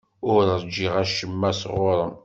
Ur ṛjiɣ acemma sɣur-m.